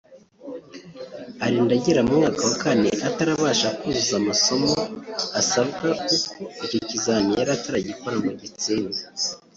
arinda agera mu mwaka wa kane atarabasha kuzuza amasomo asabwa kuko icyo kizamini yari ataragikora ngo agitsinde